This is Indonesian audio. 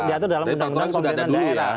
diatur dalam peraturan sudah ada dulu ya